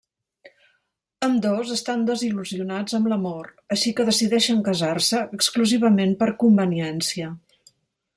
Ambdós estan desil·lusionats amb l'amor, així que decideixen casar-se exclusivament per conveniència.